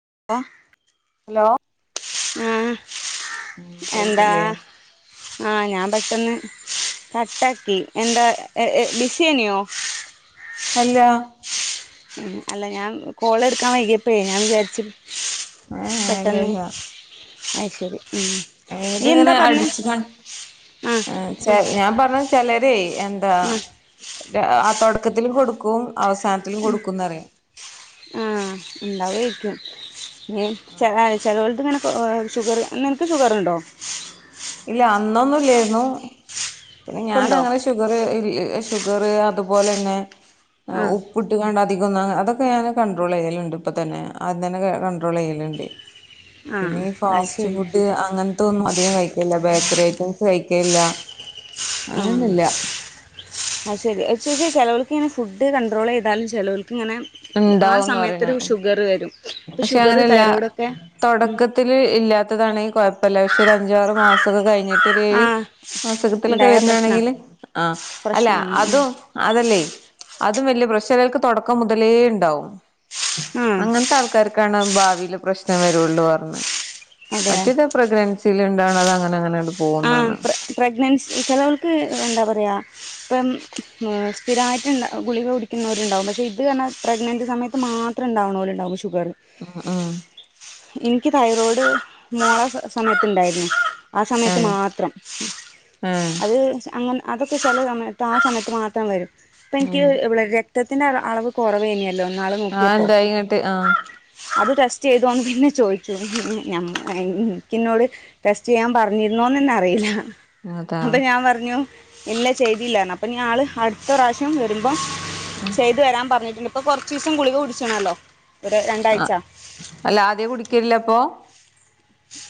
[unintelligible] Hello ഉം ഉം എന്താ കേൾക്കില്ലേ ആഹ് ഞാൻ പെട്ടന്ന് കട്ടാക്കി എന്താ ഏഹ് ഏഹ് ബിസ്യായ്നോ അല്ല ഉം അല്ല ഞാൻ കോള് എടുക്കാൻ വൈകിയപ്പഴേ ഞാൻ വിചാരിച്ച് ഏഹ് പെട്ടെന്ന് അയ് ശരി ഉം നീ എന്താ ത്ങ്ങനെ പറഞ്ഞേ അടിച്ചു ആഹ് [unintelligible] ഏഹ് ചേ ഞാൻ പറഞ്ഞ ചിലരെ എന്താ ആഹ് ഏഹ് ആഹ് തുടക്കത്തിൽ കൊടുക്കും അവസാനത്തിലും ഉം കൊടുക്കുംന്നറിയാം ആ ഉണ്ടാവരിക്കും ഉം ചെ ചെലോൽത് ഇങ്ങനെ ഷുഗർ നിൻക്ക് ഷുഗറ്ണ്ടോ? ഇല്ല അന്നൊന്നുംല്ലായിരുന്നു. പിനെ ഞാന് ഇപ്പുണ്ടോ അങ്ങനെ ഷുഗർ ഇല്ല ഷുഗറ് അതുപോലെന്നെ ആഹ് ഉപ്പ്ട്ട് കാണ്ട് അധിക അതൊക്കെ ഞാൻ കണ്ട്രോളെയ്യലുണ്ട് ഇപ്പൊ തന്നെ അദ്യം തന്നെ കണ്ട്രോളെയ്യലുണ്ട്. ആഹ് പിന്നെ ഈ അത് ഫാസ്റ്റ് ശരി ഫുഡ് അങ്ങൻ ത്തൊന്നും അധികം കഴിക്ക ബേക്കറി അയ്റ്റംസ്. കഴിക്കെല്ല. ആ അയ് ശരി ശെ ചെലോൽക്ക് ങ്ങനെ ഫുഡ് കൺട്രോളെയ്താലും ചെലോൽക്ക് ഇങ്ങനെ ആ സമയത്തൊരു ഷുഗറ് വരും. ഇപ്പം പശേ ഷുഗർ അങ്ങനെല്ല തൈറോയ്ഡൊക്കെ ഉം തൊടക്കത്തില് ഇല്ലാത്തത ണെങ്കി കൊയ്പ്പല്ല. പശേ ഒരു അഞ്ചാറ് മാസക്കെ കഴിഞ്ഞി ത്തിരി ആ അസുഖത്തിലൊക്കെ ഉണ്ടായ വര്നാ പ്രശ്ന ണെങ്കില് ആ അല്ല പ്രശ്നമാണ് ഉം അതും അതല്ലേ അതും വല്യ പ്രഷലാ ചേലോൽക്ക് തൊ ക്കം മുതലേ ണ്ടാവും. ഉം ക്കാണ് ഭാവില് പ്രശ്നം വരുള്ളു പർഞ്ഞ് അതെ മറ്റേത്പ്രഗ്രനൻസിയില് അതാണങ്ങന അങ്ങനെ പോ ആ പ്ര പ്രഗ്നൻസി ചെലോൽക്ക് എന്താ പറയ്യാ ഇപ്പം സ്ഥിരായിട്ട് ഗുളികകുടിക്കുന്നവരുണ്ടാവും പക്ഷേ ഇത് പറഞ്ഞാ പ്രഗ്നന്റ്റ് സമയത്ത് മാത്രം ണ്ടാവുണോല്ണ്ടാവും ഷുഗറ് ഉം ഉം എനിക്ക് തൈറോയ്ഡ് മോള സമയത്തുണ്ടായിരുന്നു ആ സ സമയത്ത് ഏഹ് മാത്രം ഏഹ് അത് അങ്ങനെ അതൊക്കെ ചെല സമയത്ത് ആ സമയത്ത് മാത്രം വരും ഇപ്പം എനിക്ക് ഉം ബ്ല രക്തത്തിന്റെ അള അളവ് കുറവെന്നേ ആ എന്തായിന്നിട്ട് ആ അത് ടെസ്റ്റ് ചെയ്തോന്ന് പിന്നെ ചോയ്ക്കും നമ്മ് എൻ എൻക്കിന്നോട് ടെസ്റ്റ് ചെയ്യാൻ പറ ഞ്ഞിരുന്നോന്നന്നെ അറിയില്ല അതാ അപ്പൊ ഞാൻ പറഞ്ഞു ഇല്ല ചെയ്തില്ലാറഞ്ഞു അപ്പൊഞ്ഞി ആള് അടുത്ത പ്രാവശ്യം വരുമ്പം ചെയ്ത് വരാൻ പറഞ്ഞിട്ടുണ്ട് പ്പൊ കൊർച്ചീസം ഗുളിക കുടിച്ചണല്ലോ ഒരു ആ രണ്ടാഴ്ച അല്ല ആദ്യ കുടിക്കലില്ലപ്പോ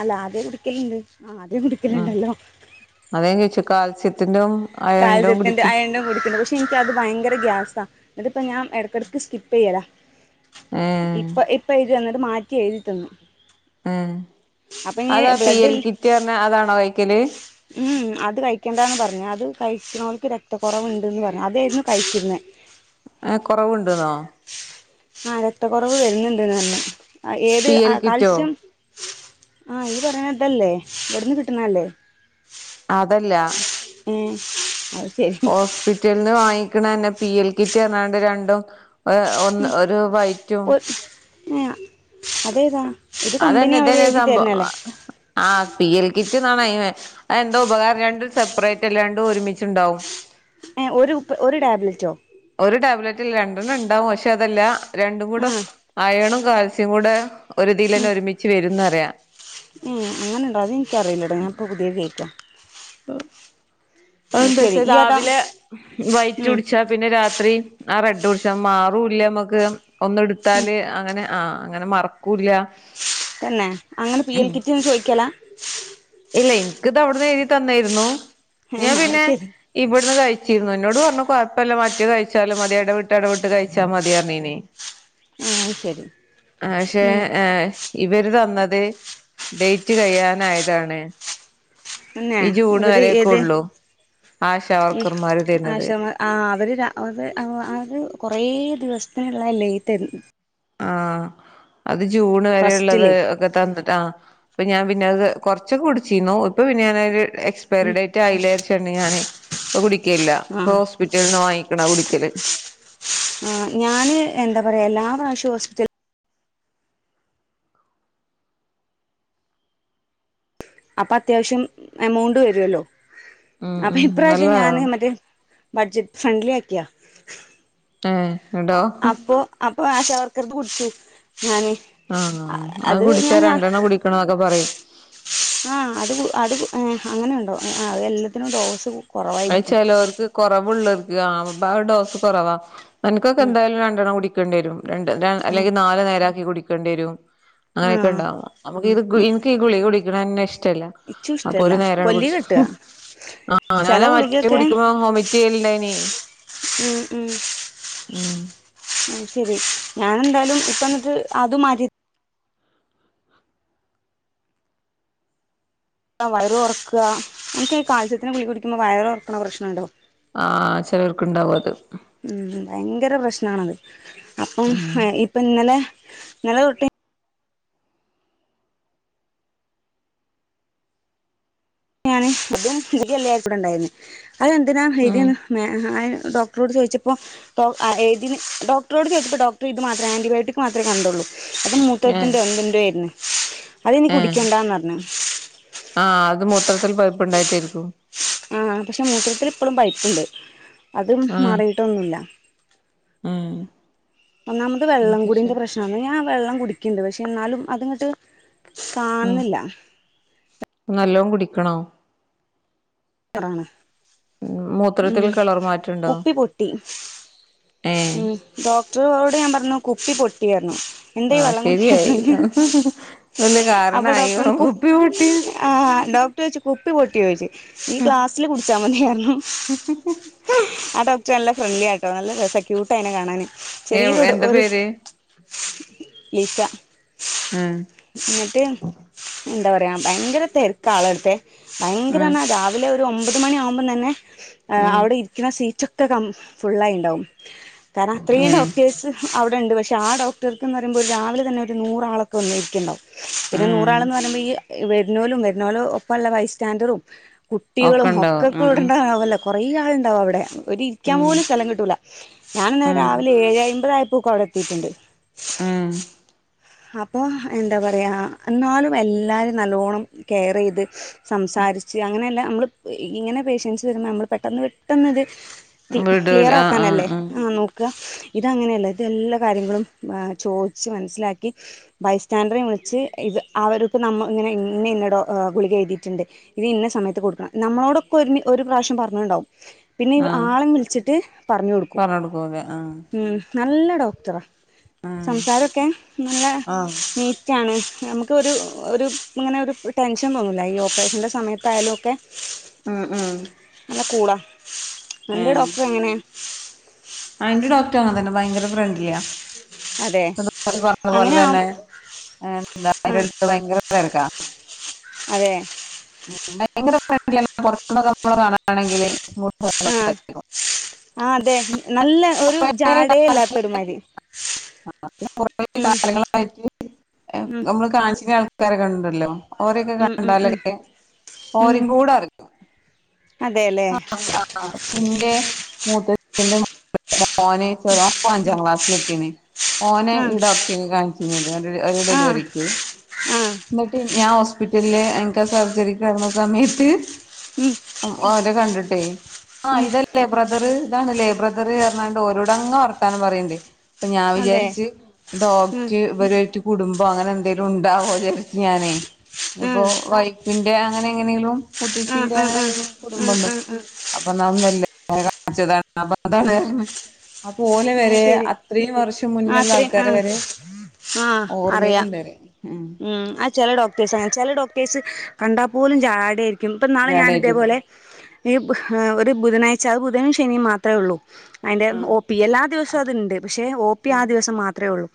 അല്ല ആദ്യ കുടികല്ണ്ട് അ അതേ ഞാൻ ചോയിച്ചേ കാൽസ്യ ത്തിന്റെഉം കാൽസ്യത്തിന്റെ അയേൺന്റെ കുടിക്ണു പക്ഷെ ഇൻക്കത് ഭയ്ങ്കര ഗ്യാസാ ന്നട്ട്പ്പ ഞാൻ എട്ക്കട്ക്ക് സ്കിപ്പെയ്യലാ ഏ ഇപ്പൊ ഇപ്പൊ ഇജ് എന്നട്ട് മാറ്റ് എഴുതി തന്നു ഉം അപ്പൊ ഇനി അതാ പി എൽ ബ്ലഡിൽ കിറ്റ് അർഞ്ഞ അതാണോ കഴിക്കല് ഉം അത് കഴിക്കേണ്ടാണ് പറഞ് അത് കഴിച്ച്ണോൽക്ക് രക്തകൊറവ്ണ്ട്ന്ന് പർഞ്ഞു അതേയ്രുന്നു കഴിച്ചിരുന്നത് ആ കൊറവുണ്ട് ന്നോ ആ രക്ത കൊറവ് വരുന്നുണ്ട്ന്ന് പർഞ് അ ഏത് പി ആ എൽ കിറ്റോ കാൽസ്യം ആഹ ഈ പറയണ തല്ലേ ഇവിട്ന്ന് കിട്ടണല്ലേ അതല്ല ഏ അത് ശരി ഹോസ്പിറ്റൽന്ന് വാങ്ങി ക്കണന്നെ പി എൽ കിറ്റ് പറഞ്ഞാണ്ട് രണ്ടും ഒ ഒന്ന് ഒരു വൈറ്റും ഏഹ് അതേതാ? ഇത് കമ്പനി അതന്നെ അവര് ഇതന്നെയാണ് എഴുതി തരുന്നല്ലേ സംഭവം ആ പി എൽ കി റ്റ് ന്നാണ് അയിന് എന്തോ ഉപകാരം രണ്ടും സെപ്പറേറ്റ് അല്ലാ രണ്ടും ഒരുമിച്ചു ഉണ്ടാവും. ഏഹ് ഒരു ഒരു ടാബ്ലറ്റോ? ഒരു ടാബ്ലറ്റില് രണ്ടെണ്ണം ഉണ്ടാവും പക്ഷേ അതല്ലാ രണ്ടും കൂട ആ അയണും കാൽസ്യം കൂടെ ഒരു ഉം ഇതിലെന്നെ ഒരുമിച്ച് വരു [unintelligible] ഉം അങ്ങനെണ്ടാ അത് എനിക്കറിയില്ലെടാ ഞാനിപ്പോ പുതിയ കേക്കാ. [unintelligible] അതെന്താ ശരി വെച്ചാ ഈ ഏതാ രാവിലെ വൈറ്റ് ഉം കുടിച്ചാ പിന്നെ രാത്രി ആ റെഡ് കുടിച്ചാ മാറൂല്ല നമ്മക്ക് ഒന്ന് ഉം എടുത്താല് അങ്ങനെ ആഹ അങ്ങനെ മറക്കൂല തന്നെ അങ്ങനെ പി എൽ കിറ്റിന്ന് ചോയ്ിക്കലാ ഇല്ല എനിക്കിത് അവിടുന്ന് എഴുതി തന്നായിരുന്നു ഞാൻ ഏഹ് അത് പിന്നെ ശരി ഇവിടുന്ന് കഴിച്ചി എന്നോട് പറഞ്ഞ കൊഴപ്പമല്ല മറ്ററ്റ് കഴിച്ചാലും മതിയുടെ വിട്ടടെ വിട്ട് കഴിച്ചാ മതിയറിഞ്ഞീന ആഹ് അത് ശരി ആക്ഷെ ഉം ഏ ഇവര് തന്നത് ഡേറ്റ് കഴ്യാനായി ഇതാണ് പിന്നെ ഈ ജൂണ് ഇവര് വരെയക്കെ ഏത് ഉള്ളു ഈ ആശാവർക്കർമാര് തന്നത് ആശാമാർ ആഹ് അവര് അത് അത് കുറേ ദിവസത്തിനുള്ള ലേറ്റ് ആഹ അത് ജൂൺ വരെ ഉള്ളത് ഫസ്റ്റില് ഒക്കെ തന്നിട്ട ആ ഇപ്പൊ ഞാൻ പിന്നെ അത് കുറച്ചൊക്കെ കുടിിച്ചിന്നു ഇപ്പം പിന്നെ ഞാനൊരു എക്സ്പയറി ഉം ഡേറ്റ് ആയില്ലാരിച്ചട്ടണ്ട് ഞാൻ ഒ കുടിിക്ക ല്ല ആഹ് ഹോസ്പിറ്റലിൽ നിന്ന് വാങ്ങ ക്കാല് ആ ഞാന് എന്താ പറയാ എല്ലാ പ്രാവശ്യ ഹോസ്പിറ്റല അപ്പൊ അത്യാവശ്യം എമൗണ്ട് വരുല്ലോ ഉം അപ്പൊ ഉം ഇപ്രാവശ്യം നല്ലതാ ഞാന് മറ്റേ ബഡ്ജറ്റ് ഫ്രണ്ട്ലി ആക്കിയാ ഏഹ് ഇണ്ടോ അപ്പൊ അപ്പൊ ആഷ അവർക്ക് [unintelligible] ഞാന് ആഹ് അത് കുടിച്ചാ ഞാൻ രണ്ടെണ്ണം കുടിക്കണംന്നൊക്കെ പറയും ആ അത് അത് ഹേ അങ്ങനെ ഉണ്ടോ അത് എല്ലാത്തിനും ഡോസ് കുറവായിരിക്കും അഹ്ചേലോർക്ക് കൊറവുള്ളത് ആ അത് ആ ഡോസ് കൊറവാ. അനക്കൊക്കെ ഉം എന്തായാലും രണ്ടണ്ണം കുടി ക്കേണ്ടിരും. രണ്ട് ഉം അല്ലെങ്കിൽ നാല് നേരാക്കി കുടി ക്കേണ്ടിരും. ആ അങ്ങനെയൊക്കെ ഉണ്ടാവുമ്പോ നമുക്ക് ഇത് ഇൻക്ക് ഈ ഗുളിക കുടി ക്ക്ണന്നെ ഇഷ് ട്ടല്ല ഇച്ചും അപ്പൊ ഇഷ്ടല്ല ഒരു നേരണ്ട് കൊല്ലി കെട്ടുക കുട്ച്ചും. ആ ഞാൻ ചില മറ്റേ ഗുളികൊക്കെ കുടിക്കുമ്പോ വൊമിറ്റ് ചെയ്യല്ണ്ടായിനി ഉം ഉം ശരി ഞാനെന്തായാലും ഇപ്പന്നിട്ട് അത് മാറ്റി വയർ ഒർക്കാ അനക്കീ കാൽസ്യത്തിന്റെ ഗുളിക കുടിക്കിമ്പോ വയർ ഒറക്ക്ണ പ്രശ്നണ്ടോ? ആ ചെലോർക്ക്ണ്ടാവും അത്. ഉം ഭയങ്കര പ്രശ്നാണത്. അപ്പം ഉം ഇപ്പം ഇന്നലെ ഇന്നലെ തൊട്ട് അപ്പം ഞാന് ഇതും ഗുളികെല്ലേ ഇവിടെണ്ടായിര്ന്ന് അയെന്തിനാ ഉം എഴ്‌തീന്ന് മേ അയ് ഡോക്ടറോട് ചോയിച്ചപ്പോ ഡോക് ആ എഴ്തിന് ഡോക്ടറോഡ് ചോയിച്ചപ്പോ ഡോക്ടർ ഇത് മാത്രേ ആന്റിബയോട്ടിക് മാത്രേ കണ്ടൊള്ളൂ. അത് ഏഹ് മൂത്ത്രത്തിന്റോ എന്തിന്റോര്ന്ന്. അത് ഇനി കുടിക്കെണ്ടാന്ന് പർൺ ആ അത് മൂത്രത്തിൽ പൈ എപ്പളും പൈപ്പ്ണ്ട്. അത് മാറിയിട്ടൊന്നുല്ല. ഏ ഒന്നാമത് വെള്ളം കുടിന്റെ പ്രശ്നാണ് ഞാ വെള്ളം കുടിക്കിണ്ട് പക്ഷെ ഇന്നാലും അത്ങ്ങട്ട് ഉം കാണ്ന്ന്ല്ല. നല്ലോം കുടിക്കണോ? ങ്ങേറാണ്. ഉം മൂത്രത്തിൽ കളർ മാറ്റണ്ടോ കുപ്പി പൊട്ടി ഏ ഉം ഡോ റ്ററോഡ് ഞാൻ പറഞ്ഞു കുപ്പി പൊട്ടി പർണു എന്തെ ആഹ് വെള്ളം ശരിയായി കുടിക്കാഞ്ഞെ വല്യ അപ്പം കാരണായി ഡോക്ടർ പർണു കുപ്പി പൊട്ടി ആ ഡോക്ടർ ചോയിച്ചു കു കുപ്പി പൊട്ടിയോ ചോയിച്ച് നീ ക്ലാസ്സില് കുടിച്ചാ മതി പർണു ആ ഡോക്ടർ നല്ല ഫ്രണ്ട്ലി ആട്ടോ നല്ല രസാ ക്യൂട്ടാ അയിനെ കാണാൻ എ എന്താ ചെറിയൊര് പേര് [unintelligible] ഉം ഇന്നട്ട് എത്താ പറയാ ദയങ്കര തെരക്കാ ആളെ അട്ത്തെ ഭയങ്കരാ ഉം പർണാ രാ ഒര് ഒമ്പത് മണി ആവുമ്പം തന്നെ ഏ ഉം അവിടെ ഇരിക്ക്ണ സീറ്റൊ- ക്കെ കം ഫുള്ളായിണ്ടാവും കാരണം അത്രയും ഏ ഡോക്ടേഴ്സ് അവിടെണ്ട് പ പക്ഷേ ആ ഡോക്ടർക്കന്ന് പറുമ്പോൾ രാവിലെ തന്നെ ഒരു നൂറാളക്കെ വന്ന് ഇരിക്ക്ണ്ടാവും പിന്നെ ഉം നൂറാൾന്ന് പറയുമ്പോ ഈ വെരുന്നൂലും വെരുന്നോലും ഒപ്പ ഉള്ള ബൈസ് സ്റ്റാൻഡറും ഒക്കെ കുട്ടികളും ഉണ്ടാവും ഒക്കെക്ക ഉം ഇടണ്ടാവല്ലോ കൊറേ ആൾണ്ടാവും അവിടെ ഒര് ഇരിക്കാൻ ഉം പോലും സ്ഥലം കിട്ടൂല ഞാന് ഉം ഉം ന്നരാവിലെ ഏഴ് ഐമ്പപതാ പൂക്കോവിടെ എത്തിയിട്ടുണ്ട് ആ അപ്പൊ എന്താ പറയാ എന്നാലും എല്ലാരും നല്ലോണ്ണം കെയർ ചെയ്ത് സംസാരിച്ച് അങ്ങനെയല്ലാം നമ്മൾ ഇങ്ങനെ പേഷ്യൻസ് വരുമ്പ നമ്മൾ പെട്ടെന്ന് പെട്ടെന്ന് ഇത് ക്ലി വിടൂല ക്ലിയർ ആഹ് ആക്കാനല്ലേ ആഹ് ആഹ് ആ നോക്ക്അ ഇതങ്ങനെയല്ല ഇതെല്ലാ കാര്യങ്ങളുംഏ ചോദിച്ച് മനസ്സിലാക്കി ക്ക് ബൈസ്റ്റാൻഡറെം വിളിച്ച് ഇത് അവര്ക്ക് നമ്മ ഇങ്ങനെ ഇന്ന ഇന്ന ഡോ ഗുളിക എയ്തിട്ട്ണ്ട് ഇത് ഇന്ന സമയത്ത് കൊടുക്കണം നമ്മളോടൊക്കെ ഒരു ഒരു പ്രാവശ്യം പറഞ്ഞട്ടുണ്ടാവും പിന്നെ ആഹ് ആളെം വിളിച്ചിട്ട് പറഞ്ഞു കൊടുക്കും പറഞ്ഞൊടുക്കൂല ആഹ് ഉം നല്ല ഡോക്ടറാ ആഹ് സംസാരൊക്കെ എന്ന ആഹ് നി റ്റാണ് നമുക്ക് ഒരു ഒരു ഇങ്ങനെ ഒരു ടെൻഷൻ തോന്നുല്ല ഈ ഓപ്പറേഷന്റെറെ സമയത്തായാലും ഒക്കെ ഉം ഉം അ കൂടാ ഏ അന്റെ ഡോക്ടറെങ്ങനെ ആ എന്റെ ഡോക്ടുങ്ങനതന്നെ ബയങ്കര ഫ്രണ്ട്ലിയ അതെ പറഞ്ഞ പോലെ അങ്ങനെ ആ തന്നെ എന്താ ആഹ് ഐനിടക്ക് ഭയങ്കര തിരക്കാ അതെ ഭയങ്കര ഫ്രണ്ട്‌ലി അല്ല കുറച്ചൊക്കെ കാണണെങ്കിൽ ആഹ് ആഹ് അതെ നല്ല ഒരു ജാടേ ഇല്ലാത്തൊരു മാതിരി കുറ ഉം കാലങ്ങളായിട്ട് ഉം നമ്മള് കാണിചണ ആൾ കറക ഉണ്ടല്ലോ ഓരൊക്കെ ഉം ഉം കണ്ടാലേ ഉം ഉം ഓരിം കൂടാ അതെല്ലേ ആ ആ പിന്നെ മൂത്തന്റെ [unintelligible] ഓന് ചെറ [unintelligible] അഞ്ചാം ക്ലാസ്സിൽ എത്തിണ് ഓനെ ഈ ആഹ് ഡോക്ടറിനു കാണിച്ചത് ഓന്റെ ആഹ് ഡെലിവറിക്ക് ആഹ് എന്നിട്ട് ഞാൻ ഹോസ്പിറ്റ ഇല്ലേ എനിക്കാ സർജറിക്ക് കിടന്ന സമയത്ത് ഉം ഓ അത് കണ്ടിട്ടേ ആ ഉം ഇതല്ലേ ബ്രദറ് ഇതാണ് ലൈബ്രദർ എന്ന് പറഞ്ഞോണ്ട് ഓരോടങ്ങ് വർത്താനം പറയുന്നുണ്ട് അപ്പൊ ഞാൻ അതെ വിചാരിച്ച് ഉം ഡോക്റ്റ് ഇവരുമായിട്ട് കുടുംബം അങ്ങനെ എന്തേലും ഉണ്ടാവോ വിചാരിച്ചു ഞാനേ ഇപ്പൊ ആഹ് വൈപ്പിൻ അങ്ങനെ എങ്ങനെങ്കിലും ആഹ് മുത്തശിന്റെ അങ്ങനെ ആഹ് എന്തേലും ആഹ് കുടുംബണ്ട് ആഹ് ആഹ് അപ്പൊ ന കാണിച്ചതാണ് അപ്പൊ അതാണ് അപ്പൊ ഓലെ അത് വരെ ശരി അത്രയും വർഷം മുന്നുള്ള അത്രയും ആ ആൾക്കാരെ വരെ ആ അറിയാം ഓർമ്മയിലുണ്ട് പറയാ ഉം ആ ചെല ഡോക്ടേഴ്സ് അങ്ങനെയാ ചില ഡോക്ടേഴ്സ് കണ്ടാൽ പോലും ജാട ആയിരി ക്കും ഇപ്പം നാളെ ഞാൻ ജാടായിട്ടിട്ടോ ഇതേപോലെ ഈ ഒരു ബുധനാഴ്ച അത് ബുധനും ശനിയും മാത്രമേ ഉള്ളൂ അതിന്റെ ആഹ് ഓ പി എല്ലാ ദിവസവും അത്ണ്ട്. പക്ഷേ ഓപി ആ ഉം ദിവസം മാത്ര ഒള്ളൂ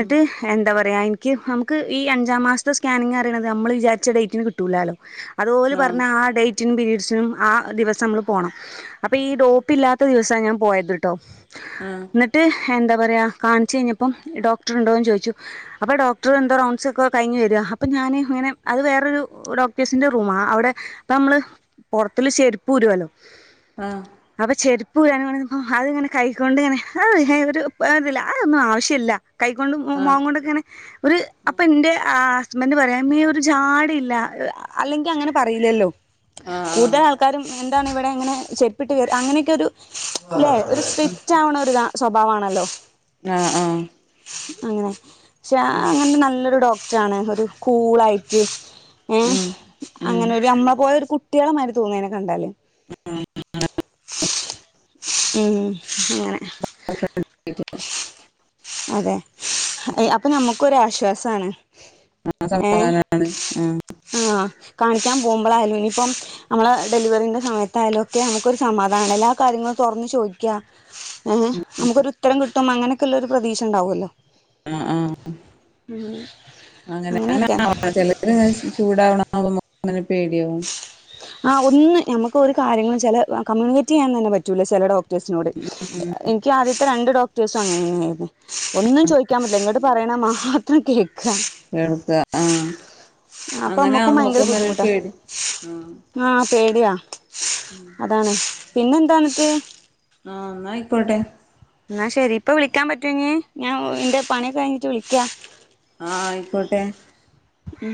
ഉം എന്താ പറ എൻക്ക് നമുക്ക് ഈ അഞ്ചാം മാസ്ത്തെ സ്കാനിങ് അറിണത് നമ്മള് വിചാരിച്ച ഡേറ്റിന് കിട്ടൂലാലോ അതുപോലെ ആഹ് പർഞ്ഞാ ആ ഡേ [unintelligible] പീരീഡ്സിനും ആ ദിവസം നമ്മള് പോണം അപ്പ ഈ ഡോപ്പി ഇല്ലാത്ത ദിവസാ ഞാൻ പോയത് [unintelligible] ആഹ് ന്ന്ട്ട് എന്താ പറയാ കാൺച്ച് കഴിഞ്ഞപ്പം ഡോക്ടർ ഇണ്ടോന്ന് ചോയ്ച്ചു അപ്പം ഡോക്ടർ എന്തോ റൗൺസ് ഒക്കെ കഴിഞ്ഞ് വെരാ അപ്പം ഞാന് ഇങ്ങനെ അത് വേറൊരു ഡോക്ടേഴ്സിന്റെ റൂമാ അവിടെ അപ്പം നമ്മള് പോറത്തില് ചെരുപ്പ് ഊരോല്ലോ ആഹ് അപ്പ ചെരു [unintelligible] അതിങ്ങനെ കൈക്കൊണ്ട്ങ്ങനെ ഹൈ എന്നിട്ട് [unintelligible] അതൊന്നും ആവശ്യല്ല കൈകൊണ്ടും ആഹ് മോഖകൊണ്ടൊക്കെ ഇങ്ങനെ ഒര് അപ്പ ഇന്റെ ആ ഹസ്ബന്റ് പറയാ മേ ഒരു ജാഡയില്ല അല്ലെങ്കി അങ്ങനെ പറയില്ലല്ലോ ആഹ് കൂടുതൽ ആൾക്കാരും എന്താണ് ഇവിടെ എങ്ങനെ പ്പിട്ട് കേറി അങ്ങനെക്കെരു അല്ലെ ഒരു സ്ട്രിറ്റ് ആവ്ണേ ഒര് താ സ്വഭാവാണല്ലോ ആഹ് ആഹ് അങ്ങനെ പക്ഷെ ഉം അങ്ങനെ നല്ലൊരു ഡോക് ട്ടാണ് ഒരു കൂളായിട്ട് ഏഹ് ഉം ഉം അങ്ങനൊരു അമ്മ പോയൊരു കു ട്ടികളെമാരി തോന്നും അയിനെ കണ്ടാല് ഉം അങ്ങനെ [unintelligible] അതെ ആണ് ആഹ് സമാധാനമാണ് ആഹ് ആഹ് കാണിക്കാൻ പോകുമ്പളായാലും ഇനിയിപ്പം നമ്മളെ ഡെലിവറീന്റെ സമയത്തായാലും ഒക്കെ നമുക്കൊരു സമാധാനില്ലേ എല്ലാ കാര്യങ്ങളും തൊറന്നു ചോദിക്ക്യാ ഏഹ് നമുക്കൊരു ഉത്തരം കിട്ടും അങ്ങനെക്കൊള്ളൊരു പ്രതീക്ഷ ഒണ്ടാവുവല്ലോ ആഹ് ആഹ് ഉം അങ്ങനെ ആ ചെലരങ്ങനെ ചൂടാവണ [unintelligible] അങ്ങനെ പേടിയാവും ആഹ് ഒന്ന് നമക്ക് ഒരു കാര്യങ്ങള് ചെല ആഹ് കമ്മ്യൂണിക്കേറ്റ് ചെയ്യാൻ തന്നെ പറ്റൂല ചെല ഡോക്ടേഴ്സിനോട് ഉം എനിക്ക് ആദ്യ ഇപ്പ രണ്ട് ഡോക്ടേഴ്സ് ആന്ന് തോന്നുന്നു വെരുന്നെ ഒന്നും ചോയിക്കാൻ പറ്റില്ല ഇങ്ങട് പറയണ മാത്രം കേ എവിടുത്ത ആഹ് അപ്പൊ അങ്ങനെ നമ്മുക്കും ഭയങ്കര ആവുമ്പോക്കെന്നന്നെയൊരു ബുദ്ധിമുട്ടാ പേടി ആഹ് ആ പേടിയാ അതാണ് പിന്നെ എന്താണനക്ക് ആ എന്നായിക്കോട്ടെ എന്നാ ശെരി ഇപ്പ വിളിക്കാൻ പറ്റോ ഇനി ഞാൻ എന്റെ പണി കയിഞ്ഞിട്ട് വിളിക്കാ ആ ആയിക്കോട്ടെ ഉം